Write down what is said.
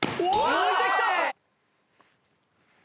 抜いてきた！